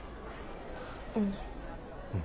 うん。